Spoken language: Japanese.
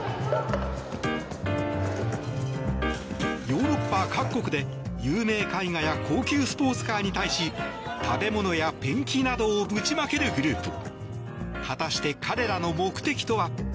ヨーロッパ各国で有名絵画や高級スポーツカーに対し食べ物やペンキなどをぶちまけるグループ。